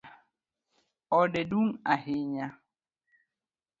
Ode dung ahinya.